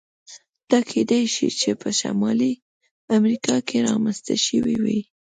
دا کېدای شوای چې په شمالي امریکا کې رامنځته شوی وای.